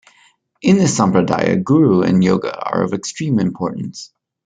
In this sampradaya, Guru and yoga are of extreme importance.